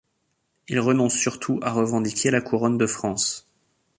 Il renonce surtout à revendiquer la couronne de France.